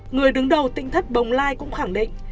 người đứng đầu tinh thất bồng lai cũng khẳng định